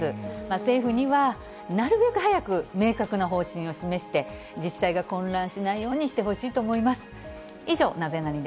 政府には、なるべく早く明確な方針を示して、自治体が混乱しないようにしてほしいと思います。